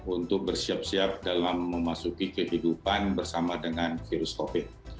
untuk bersiap siap dalam memasuki kehidupan bersama dengan virus covid